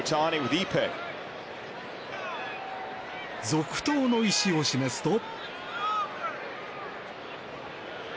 続投の意思を示すと。